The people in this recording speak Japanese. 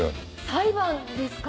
裁判ですか？